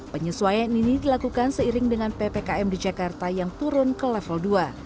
penyesuaian ini dilakukan seiring dengan ppkm di jakarta yang turun ke level dua